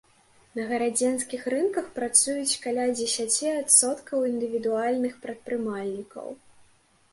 На гарадзенскіх рынках працуюць каля дзесяці адсоткаў індывідуальных прадпрымальнікаў.